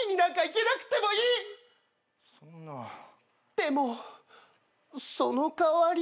でもその代わり。